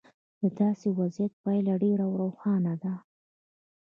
د داسې وضعیت پایله ډېره روښانه ده.